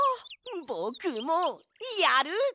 ぼくもやる！